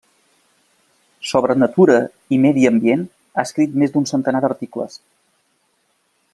Sobre natura i medi ambient ha escrit més d'un centenar d'articles.